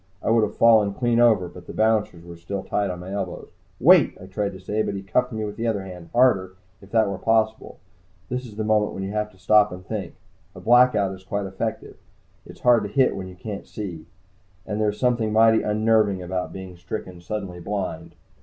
I would have fallen clean over, but the bouncers were still tight on my elbows. "Wait!" I tried to say, but he cuffed me with the other hand, harder, if that were possible. This is the moment when you have to stop and think. A Blackout is quite effective it's hard to hit what you can't see. And there's something mighty unnerving about being stricken suddenly blind.